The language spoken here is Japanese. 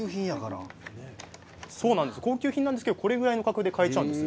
高級品なんですが、このぐらいの価格で買えちゃうんです。